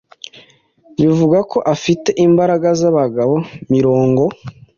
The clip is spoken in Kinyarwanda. Bivugwa ko afite imbaraga zabagabo mirongo